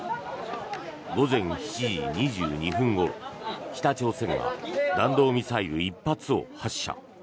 午前７時２２分ごろ、北朝鮮が弾道ミサイル１発を発射。